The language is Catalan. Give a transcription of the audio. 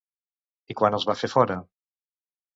I quan els van fer fora?